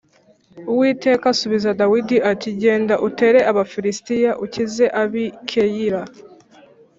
Uwiteka asubiza Dawidi ati “Genda utere Abafilisitiya, ukize ab’i Keyila.